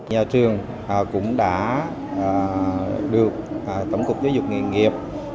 nhà trường cũng đã được tổng cục giáo dục nghề nghiệp